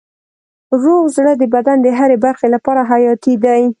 روغ زړه د بدن د هرې برخې لپاره حیاتي دی.